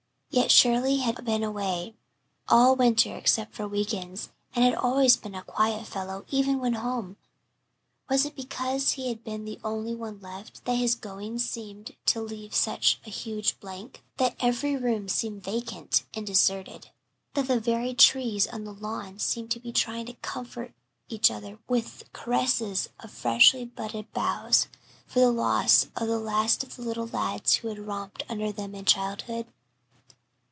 Yet Shirley had been away all winter except for week ends, and had always been a quiet fellow even when home. Was it because he had been the only one left that his going seemed to leave such a huge blank that every room seemed vacant and deserted that the very trees on the lawn seemed to be trying to comfort each other with caresses of freshly budding boughs for the loss of the last of the little lads who had romped under them in childhood?